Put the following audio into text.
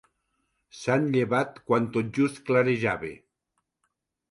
S'han llevat quan tot just clarejava.